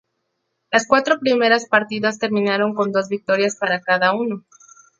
Las cuatro primeras partidas terminaron con dos victorias para cada uno.